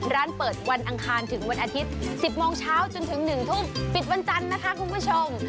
ร้านเปิดวันอังคารถึงวันอาทิตย์๑๐โมงเช้าจนถึง๑ทุ่มปิดวันจันทร์นะคะคุณผู้ชม